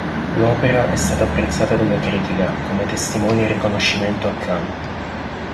L'opera è stata apprezzata dalla critica, come testimonia il riconoscimento a Cannes.